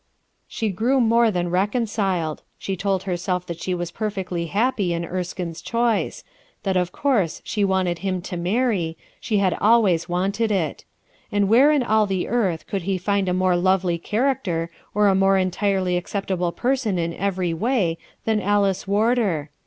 She grew more than reconciled J she told herself that she was perfectly happy in Erskine's choice; that of course she wanted him to marry, she had always wanted it; and where in all the earth could he have found a more lovely character or a more entirely acceptable person in every way than Alice Warder